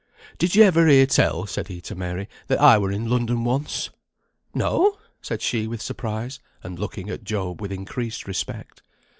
"Did you ever hear tell," said he to Mary, "that I were in London once?" "No!" said she, with surprise, and looking at Job with increased respect.